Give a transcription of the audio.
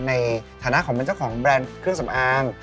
ในฐานะของเป็นเจ้าของแบรนด์เครื่องสำอาง